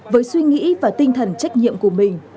với suy nghĩ và tinh thần trách nhiệm của mình